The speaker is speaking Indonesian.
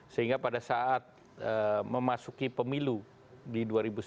sehingga pada saat memasuki pemilu di dua ribu sembilan belas